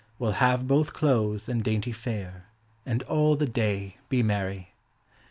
Will have both clothes and dainty fare, And all the day be merry.